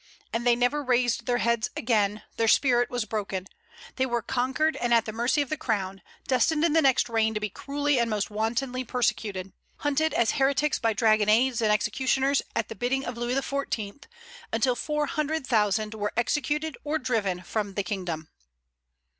And they never raised their heads again; their spirit was broken. They were conquered, and at the mercy of the crown; destined in the next reign to be cruelly and most wantonly persecuted; hunted as heretics by dragonnades and executioners, at the bidding of Louis XIV., until four hundred thousand were executed or driven from the kingdom.